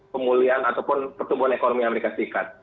pemulihan ataupun pertumbuhan ekonomi amerika serikat